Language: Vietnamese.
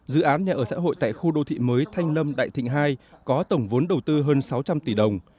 dự án nhà ở xã hội tại khu đô thị mới thanh lâm đại thịnh hai có tổng vốn đầu tư hơn sáu trăm linh tỷ đồng